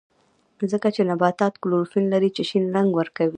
ځکه چې نباتات کلوروفیل لري چې شین رنګ ورکوي